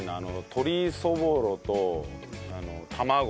鶏そぼろと卵の。